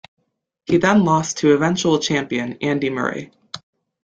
He then lost to eventual champion Andy Murray.